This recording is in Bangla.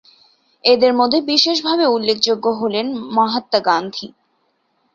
এঁদের মধ্যে বিশেষভাবে উল্লেখযোগ্য হলেন মহাত্মা গান্ধী।